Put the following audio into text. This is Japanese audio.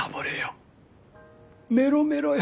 メロメロよ。